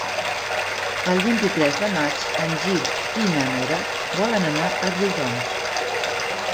El vint-i-tres de maig en Gil i na Nora volen anar a Riudoms.